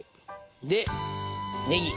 でねぎ。